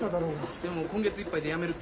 でも今月いっぱいで辞めるって。